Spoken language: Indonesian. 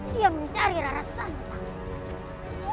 dia mencari rara santang